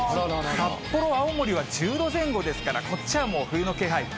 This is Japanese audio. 札幌、青森は１０度前後ですから、こっちはもう冬の気配。